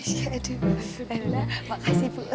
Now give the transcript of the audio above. aduh makasih bu